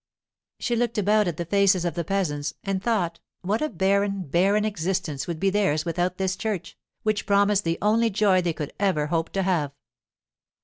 She looked about at the faces of the peasants, and thought what a barren, barren existence would be theirs without this church, which promised the only joy they could ever hope to have.